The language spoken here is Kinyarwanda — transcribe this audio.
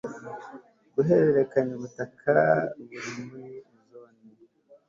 guhererekanya ubutaka buri muri Zone